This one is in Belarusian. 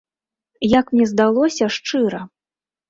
Як мне здалося, шчыра.